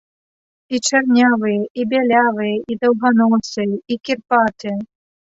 І чарнявыя, і бялявыя, і даўганосыя, і кірпатыя.